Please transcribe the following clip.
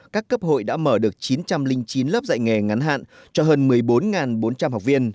các cấp hội đã mở được chín trăm linh chín lớp dạy nghề ngắn hạn cho hơn một mươi bốn bốn trăm linh học viên